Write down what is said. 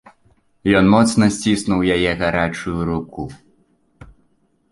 Ён моцна сціснуў яе гарачую руку.